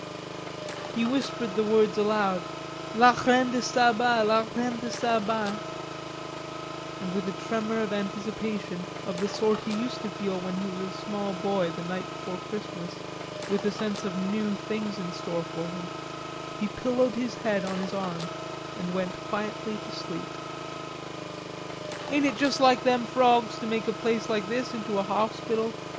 He whispered the words aloud, "la reine de Saba, la reine de Saba"; and, with a tremor of anticipation of the sort he used to feel when he was a small boy the night before Christmas, with a sense of new; things in store for him, he pillowed his head on his arm and went quietly to sleep. "Ain't it juss like them frawgs te make a place like this' into a hauspital?"